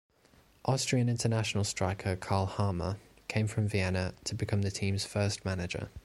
Austrian international striker, Karl Harmer, came from Vienna to become the team's first manager.